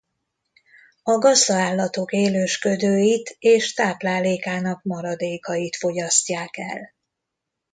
A gazda állatok élősködőit és táplálékának maradékait fogyasztják el.